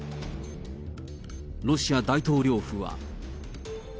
ロシア大統領府は。